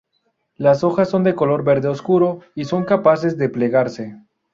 Las hojas son de un color verde oscuro y son capaces de plegarse.